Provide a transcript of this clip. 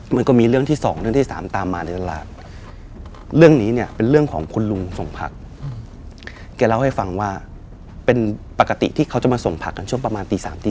มันก็มีเรื่องที่๒เรื่องที่๓ตามมา